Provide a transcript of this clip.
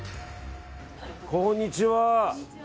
こんにちは。